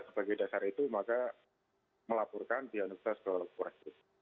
sebagai dasar itu maka melaporkan di universitas